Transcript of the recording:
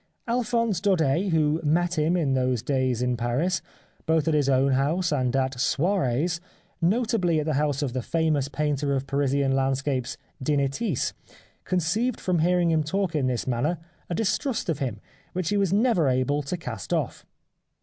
Alphonse Daudet who met him in those days in Paris, both at his own house and at soirees, notably at the house of the famous painter of Parisian landscapes, de Nittis, con ceived from hearing him talk in this manner a distrust of him which he was never able to cast off.